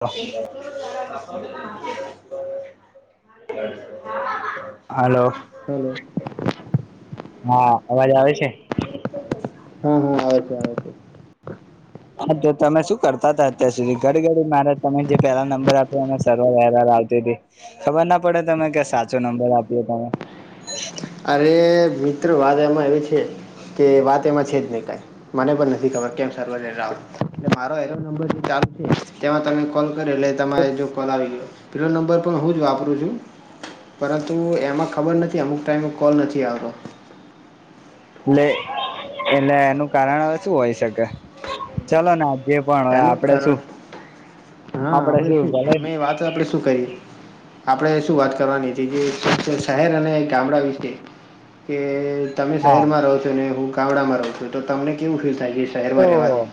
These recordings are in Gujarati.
[unintelligible] હલો હલો હા અવાજ આવે છે. હા હા આવે છે આવે છે. હા તો તમે શું કરતા હતા અત્યાર સુધી ઘડી ઘડી મારે તમે જે પેલા નંબર આપ્યો એ. સ વવા આવતી હતી ખબર ના પડે તમે ક સાચો નંબર આપ્યો તમે. અરે મિત્રો વાત એમાં એવી છે કે વાત એમાં છે જ નને કાય. મને પણ નથી ખબર કેમ સર્વ મારો નંબર ચાલુ છે તેમાં તમે કોલ એટલે તમારે જો કોલ આવી ગયો. પ્રિયો નંબર પણ હું જ વાપરું છું પરંતુ એમાં ખબર નથી અમુક. તેમ કોલ નથી આવતો. એટલે એટલે એનું કારણવે શું હોય શકે ચલો ને. જે પણ હોય એનું આપડે કારણ શું આપડે શું ભલે. તો આપડે શું કહીએ. આપણે શું વાત કરવાની હતી જે શહેર અને ગામડા વિશે. કે તમે હા શહેરમાં રહો છો ને હું ગામડામાં રહો છું તો તમને કેવું ફીલ થાય જ. ઓ.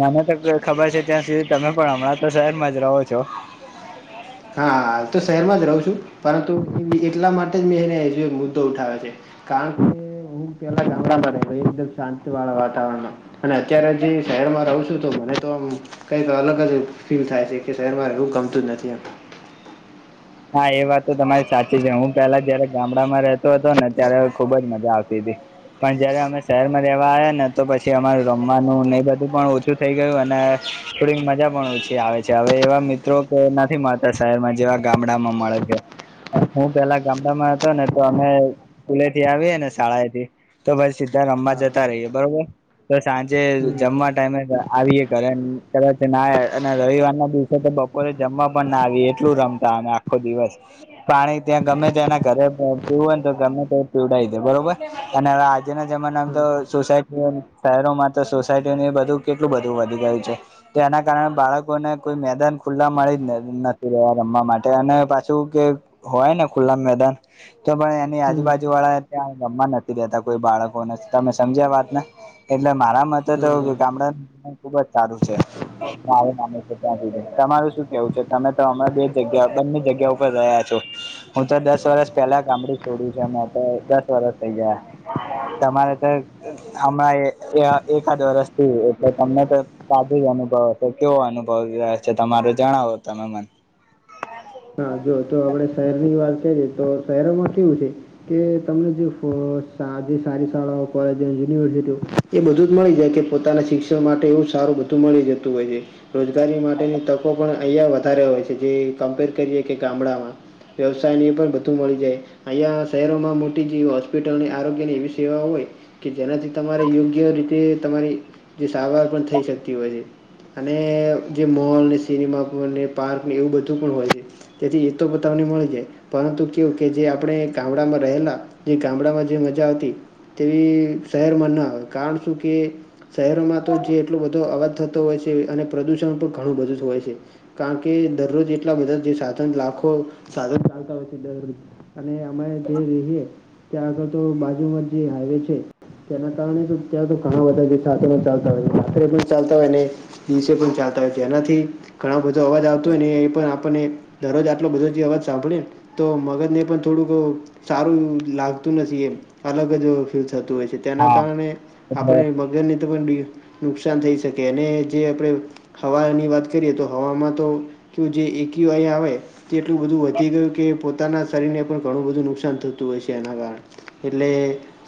મને તો ખબર છે ત્યાં સુધી તમે પણ હમણાં તો શહેરમાં જ રહો છો. હા હ તો શહેરમાં જ રહું છું પરંતુ એટલા માટે જ મેં એને મુદ્દો ઉઠાવ્યો છે. કણલા ગમડા પ એકદમ શાંતિ વાળા વાતાાવરણ. અને અત્યારે જે શહેરમાં રહું છું તો મને તો આમ. કઈ તો અલગ જ ફીલ થાય છે કે શહેર મા એવું ગમતું જ નથી એમ. હા એ વાત તો તમારી સાચી છે હું પેલા જયારે ગામડામાં રહેતો હતો ને ત્યારે ખુબ જ મજા આવતી હતી. પણ જયારે અમે શહેરમાં રહેેવા આવ્યા ને તો પછી અમારું રમવાનું ને એ બધું પણ ઓછુ. થુ થઈ ગયું અને થોડી મજા પણ ઓછી આવે છે હવે એવા મિત્રો કે નથી મળતા શહેરમાં જેવા. ગામડા માં મળે છે. હું પેલા ગામડામાં હતો ને તો અમે સ્કૂલે થી આવીએ ને શાળાએથી. તો ભાઈ સીધા રમવા હા હા જતા રહીએ બરોબર તો સાંજે હમ જમવા. ટાઈમે આવીએ ઘરે કદાચ ના અને રવિવાર ના દિવસે તો બપોરે જમવા પણ ના આવીએ એટલું રમ તા અમે આખો દિવસ. પાણી ત્યાં ગમે તે્યાના ઘરે પીવું હોયને તો ગમે તે પીવડઈ જાય બરોબર. અને હવે આજના જમાનામાં હા તો સોસાયટી શહેરોમાં તો સોસાયટીઓને બધું. કેટલું બધું વધી ગયું છે તો એના કારણે બાળકોને કોઈ મેદાન ખુલ્લા મળી નથી રહ્યા રમવા માટે અને પાછું કે હોય ને ખુલ્લા મેદાન તો પણ એની હમ આજુબાજુ વાળા ત્યાં ગમવા નથી રેતા કોઈ બાળકોને તમે સમજ્યા વાતને એટલે મારા મતે તો હા હા ગામડા ખુબ જ સારું છે માું માનું છે ત્યાં સુધી તમારું શું કેવું છે તમે તો હમે બે જગ્યા બંને જગ્યા ઉપર રહ્યા છો હું તો દસ વરસ પેલા ગામડું છોડ્યું છે મેમે તો દસ વરષ થઇ ગયા તમારે તો હમણાં એકાદ વરષથી એટલે તમને તો સાદું જ અનુભવ હશે કેવો અનુભવ રહે છે તમાર જણાવો તમે મને [inaudible] તો આપડે શહેર ની વાત કરીએ તો શહેરમાં કેવું છે કે તમને જે જે સારી શાળાઓ કોલેજો યુનિવર્સિટીઓ એ બધું જ મળી જાય કે પોતાના શિક્ષણ માટે એવું સારું બધું મળી જતું હોય છે. રોજગારી માટેની તકો પણ અહં વધારે હોય છે જે કમ્પેર કરીએ કે ગામડામાં. વ્યવસાયને પણ બધું મળી જાય. અહીંયા શહેરોમાં મોટી જેવી હોસ્પિટલ આરોગ્ય ની એવી સેવા હોય. કે જેનાથી તમારે યોગ્ય રીતે તમારી જે સારવાર પણ થઈ શકતી હોય છે. અને જે મોલને સિનેમાને પાર્ક એવું બધું પણ હોય છે. તેથી એ તો બતાવને મળી જાય. પરંતુ કવું કે જે આપણે ગામડામાં રહેલા જે ગામડામાં જે મજા આવતી. તેવી શહેરમાં ન આવે કારણ શું કે. શહેરોમાં તો જે એટલો બધો અવાજ થતો હોય છે અને પ્રદુષણ પણ ઘણું બધું હોય છે. કારણ કે દરરોજ એટલા બધા જે સાધન લાખો સાધન ચાલતા હોય છે. અને અમે જે રહીએ ત્યાં આગળ તો બાજુમાં જે હાઈવે છે. તેના કારણે શ ત્યાં ઘણા બધા સાથે ચાલતા હોય માથરે પણ ચાલતા હોય ને. દિવસે પણ ચાલતા હોય છે એનાથી ઘણા બધો અવાજ આવતો હોય ને એ પણ આપને. દરરોજ આટલો બધો અવાજ સાંભળે તો મગજને પણ થોડુંક. સારું લાગતું નથી એ અલગ જ ફીલ થતું હોય છે. તેના હા કારણે એટલે આપણે મગરને તો પણ બ નુકસાન થઈ શકે અને જે આપણે. હવાની વાત કરીએ તો હવામાં તો કું જે એકયુઆઈ આવે. એટલું બધું વધી ગયું કે પોતાના શરીરને પણ ઘણું બધું નુકસાન થતું હોય છે એના કારણે. એટલે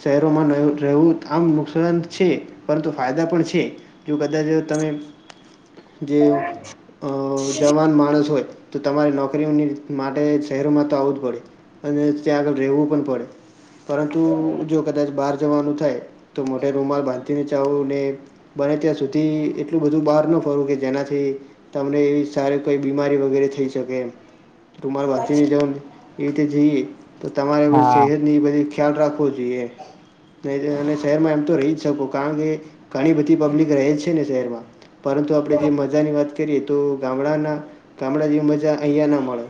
શહેરોમાં રહેવું આમ નુકસાન છે પરંતુ ફાયદા પણ છે. એ કદાચ તમે જે અ જવાન માણસ હોય. તો તમારે નોકરીની માટે શહેરોમાં તો આવું જ પડે અને ત્યાં આગળ રહેવું પણ પડે. પરંતુ જો કદાચ બહાર જવાનું થાય તો મોટે રૂમાલ બાંધીને ચાવું ને. બને ત્યાં સુધી એટલું બધું બહાર ન ફરવું કે જેનાથી. તમને એવી સારી કોઈ બીમારી વગેરે થઈ. કે એ તમારું વા્યની જ એવી રીતે જઈએ તો તમારે હા સેહત. બધ ખ્યાલ રાખવો જોઈએ નહી શહેરમાં એમ તો રહી જ શકો. કારણ કે ઘણી બધી પબ્લિક રહે જ છે ને શહેરમાં. પરંતુ આપણે જે મજાની વાત કરીએ તો ગામડાના ગામડા જેવી મજા અહીંયા ના મળે.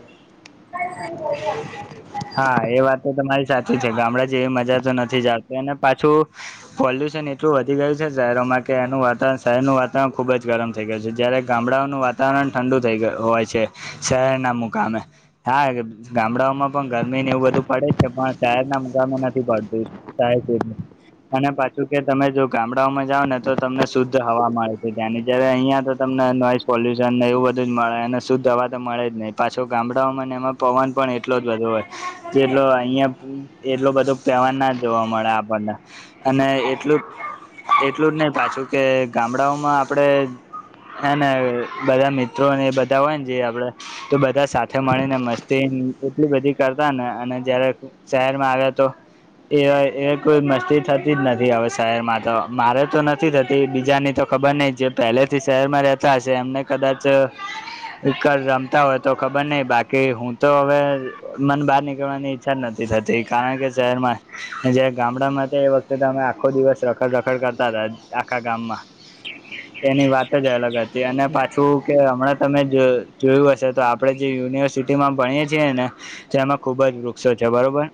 [inaudible] હા એ વાત તો તમારી સાચી છે ગામડા જેવી મજા તો નથી જાણતી અને પાછું. પોલ્યુશન એટલું વધી ગયું છે શહેરોમાં કે એનું વાતાવરણ શહેરનું વાતાવરણ ખુબ જ ગરમ છે. થઈ ગય છે જયારે ગામડાઓનું વાતાવરણ ઠંડુ થઈ ગયું હોય છે શહેરના મુકામે હા ગામડાઓમાં. પણ ગરમી ને એવું બધું પડે જ છે પણ ચહેર ના મંગામાં નથી પડતુંહેર અને પાછું કે તમે જો ગામડાઓમાં જાઓ ને તો તમને શુદ્ધ હવા મળે ત્યાંની જયારે અહિયાં તમને નોઈઝ પોલ્યુશન ને એવું બધું મળે અને શું દવા તો મળે જ નહીિ પાછો ગામડાઓમાંને એમાં પવન પણ એટલો બ જેટલો અહિયાં એટલો બધો પહેવાન ના જોવા મળે આપણને અને એટલું એટલું જ નહી પાછું કે ગામડાઓમાં આપડે. હને બધા મિત્રોને એ બધા હોય ને જે આપડે. તો બધા સાથે મળી ને મસ્તી. એટલી બધી કરતા ને અને જયારે શહેરમાં આવ્યા તો. એ એ કોઈ મસ્તી થતી જ નથી હવે શહેરમાં તો મારે તો નથી થતી બીજાની તો. ખબર નહ જે પહેલેથી શહેરમાં રહેતા હશે એમને કદાચ વ. હોય તો ખબર નહ બાકી હું તો હવે. મન બહાર નીકળવાની ઈચ્છા જ નથી થતી કારણ કે શહેર માં. જ ગામડામાં એ વખતે અમે આખો દિવસ રખડ રખડ કરતા હતા આખા ગામમાં. એની વાત જ અલગ હતી અને પાછું કે હમણાં તમે જોયું હશે તો. આપણેે જે યુનિવર્સિટીમાં ભણીએ છીએ ને. જેમાં ખુબ જ વૃક્ષો છે બરોબર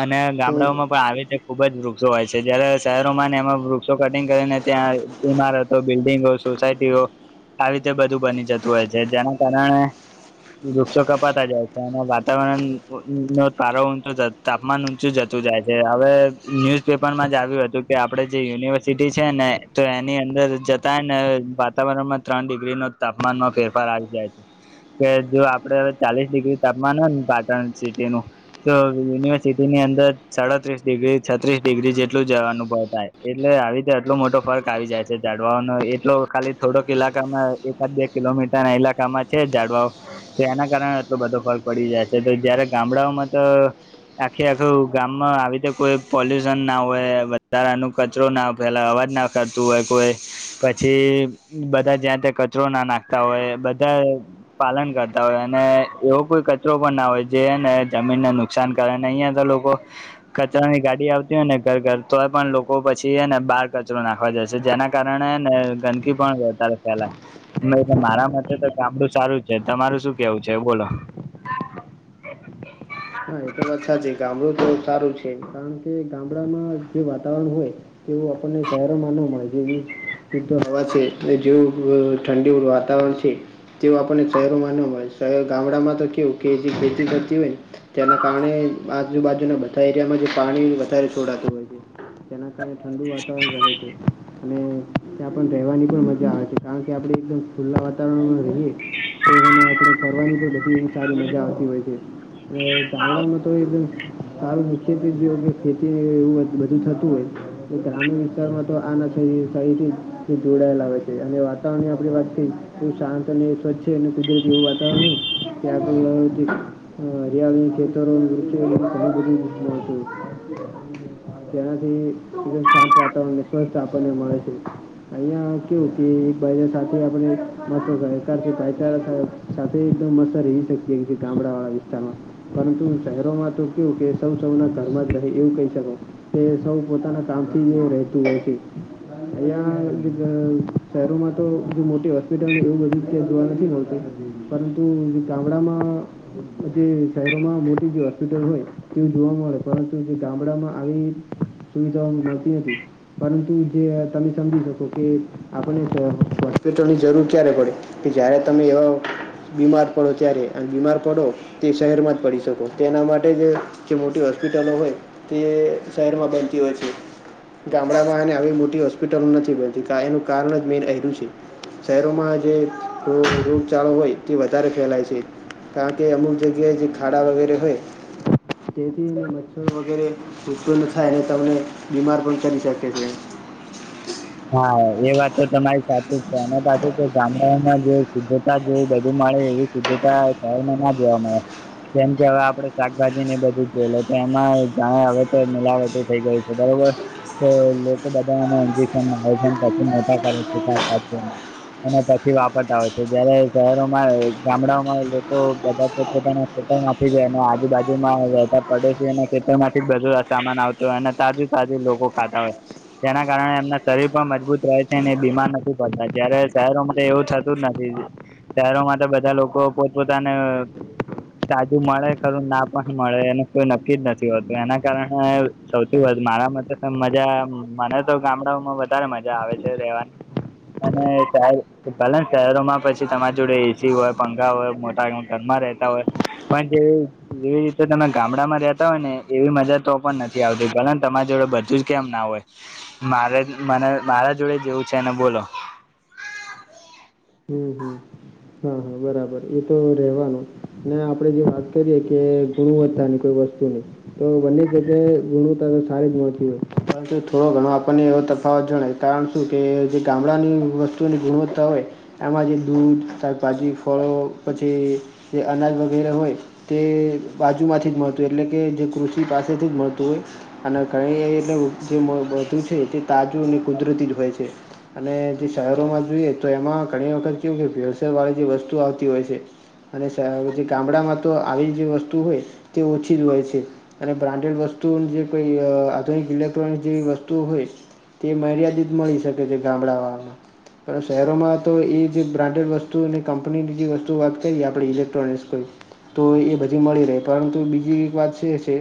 અને હં ગામડાઓમાં પણ આવે છે ખુબ જ વૃક્ષો હોય છે જયારે શહેરોમાં ને એમાં વૃક્ષો કટિંગ કરીને ત્યાં ઈમારત. તો બિલ્ડિંગો સોસાયટીઓ આવી રીતે બધું બની જતું હોય છે જેના કારણે વૃક્ષો કપાત જાય વાતાવરણ નો પારો ઊંચો તાપમાન ઊંચું જતું જાય છે હવે ન્યુઝ પેપર માં જ આવ્યું હતું કે આપડે જે યુનિવર્સિટી છે ને તો એની અંદર જતાય ને વાતાવરણમાં ત્રણ ડિગ્રી નો તાપમાનમાં ફેરફાર આવી જાય છે કે જો આપડે હવે ચાલીસ ડિગ્રી તાપમાન હોય ને પાટણ સિટી નું તો યુનિવર્સિટી ની અંદર સાડત્રીસ ડિગ્રી છત્રીસ ડિગ્રી જેટલું જવાનુભવતાાય એટલે આવી રીતે આટલો મોટો ફર્ક આવી જાય છે જાડવાનો એટલો ખાલી થોડોક લાકામાં બે કિલોમીટર ના ઈલાકામાં છે જાડવાઓ તો એના કારણે એટલો બધો ર પડી જાય છે તો જયારે ગામડાઓમાં તો આખી આખું ગામમાં આવીતે કોઈ પોલ્યુશન ના હોય વધારાનું કચરો ના પેલા અવાજ ના ખાતું હોય કોઈ પછી બધા જ્યાં ત્યાં કચરો ના નાખતા હોય બધા પાલન કરતા હોય અને એગ કોઈ કચરો પણ ના હોય જેને જમીનને નુકસાન કરે ને અહિયાં તો લોકો કચરાની ગાડી આવતી હોય ને ઘર ઘર તોય પણ લોકો પછી ને બહાર કચરો નાખવા જશે જેના કારણેને ગંદકી પણ વતા પેલા એટલે મારા માટે તો ગામડું સારું છે તમારું શું કેવું છે બોલો હા હા એ તો અછા છે ગામડું તો સારું છે કારણ કે ગામડામાં જે વાતાવરણ હોય એવું આપણને સહેરોમાં ન મળય જેવી શુ્ધ હવા છે જેવું ઠંડી વાતાવરણ છે તેવ આપણને શહેરોમાં ન હોય શહે ગામડામાં તો કેવું કે જે ખેતી કરતી હોય તેના કારણે આજુબાજુના બધા એરિયામાં જે પાણી વધારે છોડાતું હોય છે તેના કારણે ઠંડુ વાતાવરણ રહે તે અને ત્યાં પણ રહેવાની પણ મજા આવે છે કારણ કે આપણે એકદમ ખુલ્લા વાતાવરણમાં રહીએ તો અને આપણે ફરવાની તો બધી સારી મજા આવતી હોય છે એ ગામડા માં તો એ તારું મુખ્યત્વે જોવું કે ખેતી એવું બધું થતું હોય બધે ગ્રામીણ વિસ્તારમાં તો આનાથી કંઈથી જોડાયેલા હોય છે, અને વાતાવરણની આપણી વાતથી બહુ શાંત અને સ્વચ્છ અને કુદરતી એવું વાતાવરણ, તે આપણને [unintelligible] હરિયાળી ખેતરો ને વૃક્ષો [unintelligible] તેનાથી એકદમ શાંત વાતાવરણને સ્વસ્થ આપણને મળે છે. અહિયાં કેવું કે એક ભાઈને સાથે આપણે મ સાથે એકદ મસ્ રહી શકીએ ગામડા વાળા વિસ્તારમાં પરંતુ શહેરોમાં તો કુ કે સૌ સૌના ઘરમાં જ રહે એવું કહી શકો તે સૌ પોતાના કામથી એવું રહેતું હોય છે. અહિયાં શહેરોમાં તો જે મો હોસ્પિટલ એવું બધું જોવા નથી મળતું પરંતુ જે ગામડામાં ઉગે શહેરોમાં મેથી જે હોસ્પિટલ હોય તેવું જોવા મળે, પરંતુ જે ગામડામાં આવી સુવિધાઓ મળતી નથી, પરંતુ જે તમે સમજી શકો કે આપને જો હોસ્પિટલની જરૂર ક્યારે પડે, કે જયારે તમે એવા બીમાર પડો ત્યારે, અને બીમાર પડો તે શહેરમાં જ પડી શકો, તેના માટેજે જે મોટી હોસ્પિટલો હોય તે શહેરમાં બનતી હોય છે, ગામડામાં ને આવી મોટી હોસ્પ પીટલ નથી બનતી કાય કારણજ મેન એયરુ છે. શહેરોમાં જે અ રૂમચળો હોય તે વધારે ફેલાય છે, કારણ કે અમુક જગ્યાએ જે ખાડા વગેરે હોય, તેથી મચ્છર વગેરે ઉત્પન્ન થાય, ને તમને બીમાર પણ કરી શકે છે. હા એ વાત તો તમારી સાચીજ છે, એના પાસે ગામડાઓમાં જો શુદ્ધતા જો બધું મળે એવી શુદ્ધતા શહેરમાં ના જોવા મળે. જેમ કે હવે આપડે શાકભાજી ને બધું જ જોઇલે, તો એમાં જાણે હવે તો મિલાવટું થઈ ગયુ. વધારે હો, તો લોકો બધામા આમભી [unintelligible] પછી મોટા કરે છે, [unintelligible] અને પછી વાપત આવે છે, જયારે શહેરોમાં ગામડાઓમાં લોકો બધા પોત પોતાના ખેતર માંથીજ અને આજુબાજુમાં રહેતા પડોસીઓને ખેતર માંથી બધું સામાન આવત તો એને તાજુ તાજુ લોકો ખાતા હોય, જેના કારણે એમના શરીર પણ મજબૂત રહે છે, ને એ બીમાર નથી પડતા. જય્યારે શહેરો માટે એવું થતું જ નથી. શહેરો માટે બધા લોકો પોતપોતાને તાજું મળે ખરું, ના પણ મળે, એનું કોઈ નક્કીજ નથી હોતું, એના કારણે સૌથી વધ મારામાં તો મજા, મને તો ગામડાઓમાં વધારે મજા આવે છે રેવાની. અને પેલ ભલે ને શહેરોમાં પછી તમારી જોડે એસી હોય પંખા હોય મો તા હોટલમાં રહેતા હોય, પણ જે જેવી રીતે તમે ગામડામાં રહેતા હોય ને, એવી મજા તો પણ નથી આવતી, ભલે તમારી જોડે બધું જ કેમ ના હોય. મારેજ મને મારા જોડેજ એવું છેને બોલો. હમ્મ હમ્મ હમ્મ હમ્મ બરાબ રાબર એ તો રવાનું, ને આપડે જે વાત કરીએે કે ગુણવત્તાની, કોઈ વસ્તુની તો બંને જગ્યાએ ગુણવત્તા તો સારી જ મળતી હોય, પરંતુ થોડો ઘણો આપણને એવો તફાવત જણાય કારણ શું કે, જે ગામડાની વસ્તુઓની ગુણવત્તા હોય એમાં જે દૂધ, શાકભાજી ફળો પછી જે અનાજ વગેરે હોય તે બાજુ માંથી જ મળતુ હોય, એટલે કે જે કૃષિ પાસેથી જ મળતું હોય અને ઘણી એ [unintelligible] બધું છે તે તાજું અને કુદરતી જ હોય છે. અને જે શહેરોમાં જોઈએ, તો એમાં ઘણી વખત કેવું કે ભેળસેળ વાળી જે વસ્તુ આવતી હોય છે. અને શેહ જે ગામડામાં તો આવી જે વસ્તુ હોય તે ઓછી જ હોય છે. અને બ્રાન્ડેડ વસ્તુઓ, જે કોઈ અ આધુનિક ઇલેક્ટ્રોનિક જેવી વસ્તુ હોય તે મર્યાદિત મળી શકે છે, ગામડાવામાં પણ શહેરોમાં તો એ જે બ્રાન્ડેડ વસ્તુઓની ક પની બીજી વસ્તુઓ વાત કરીએ આપણે ઇલેક્ટ્રોનિક્સ કોઈ તો એ બધી મળી રહે, પરંતુ બીજી એક વાત ઈ છે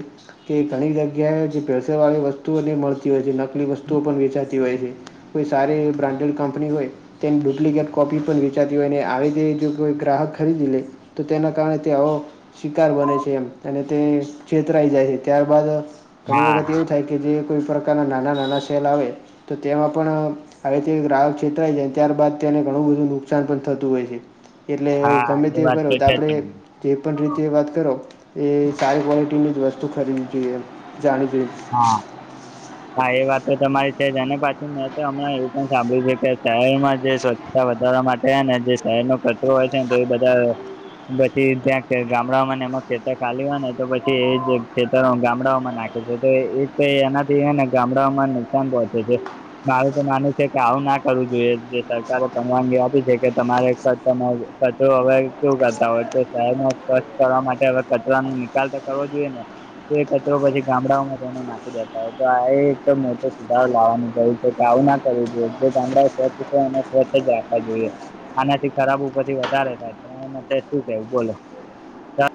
કે ઘણી જગ્યાએ જે ભેળસેળવાળી વસ્તુઓ ભી મળતી હોય છે, નકલી વસ્તુઓ પણ વેચાતી હોય છે. કોઈ સારી એવી બ્રાન્ડેડ કંપની હોય તેની ડુપ્લિકેટ કોપી પણ વેચાતી હોય અને આવી જે જો કોઈ ગ્રાહક ખરીદી લે, તો તેના કારણે તે આવો શિકાર બને છે એમ, અને તે છેતરાઈ જાય છે. ત્યારબાદ ઘણી હા વખત એવું થાય કે જે કોઈ પ્રકારનાં નાના નાના સેલ આવે, તો તેમાં પણ હવે તે ગ્રાહક છેતરાઈ જાય ત્યારબાદ તેને ઘણું બધું નુકસાન પણ થતું હોય છે. એટલે હા ગમે એ વાત તેવું કરો તો છે આપણે તમારી તે પણ રીતે વાત કરો એ સારી કોલિટીની જ વસ્તુ ખરીદવી જોઈએ જાણી જોઈ. હા હા એ વાત તો તમારી છે જ અને પાછું મેં તો હમણાં એવું પણ સાંભળ્યું છે કે શહેરમાં જે સ્વચ્ તા વધારવા માટે હેને એ જે શહેરનો કચરો હોય છે ને તો એ બધાં પછી ત્યાં કે ગામડામાં ને એમાં ખેતર ખાલી હોય ને તો પછી એજ ખેતરો ગામડાઓમાં નાખે છે. તે એક ત એનાથી હેને ગામડાઓમાં નુકસાન પહોંચે છે. મારું તો માનવું છે કે આવું ના કરવું જોઈએ. જે સરકારે પરવાનગી આપી છે કે તમારે ક તમારો કચરો હવે કેવું કરતા હોય કે શહેરમાં સ્વચ્છ કરવા માટે હવે કચરાની નિકાલ તો કરવો જોઈએ ને. તે કચરો પછી ગામડાઓમાં નાખી દેતા હોય. તો આએ એક મોટો સુધારો લાવવાનું છે કે આવું ના કરવું જોઈએ જે ગામડાઓ સ્વચ્છ તો એને સ્વચ્છ જ રાખવા જોઈએ. આનાથી ખરાબ ઉપરથી વધારે થાય પણ એ માટે શું કેવું બોલો?